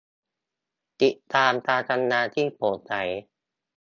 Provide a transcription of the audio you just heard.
ติดตามการทำงานที่โปร่งใส